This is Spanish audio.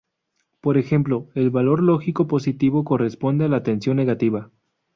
Por ejemplo, el valor lógico positivo corresponde a la tensión negativa.